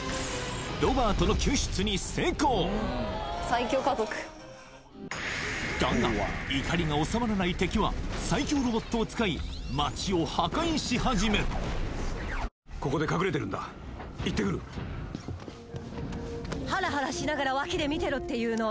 そしてだが怒りが収まらない敵は最強ロボットを使い街を破壊し始めるここで隠れてるんだ行ってくるハラハラしながら脇で見てろっていうの？